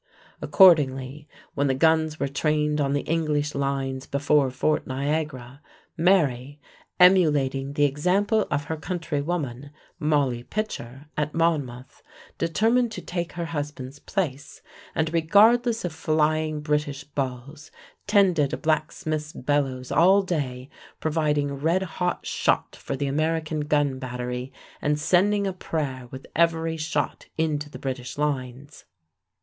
Accordingly, when the guns were trained on the English lines before Fort Niagara, Mary, emulating the example of her countrywoman, "Molly" Pitcher, at Monmouth, determined to take her husband's place, and, regardless of flying British balls, tended a blacksmith's bellows all day, providing red hot shot for the American gun battery, and sending a prayer with every shot into the British lines.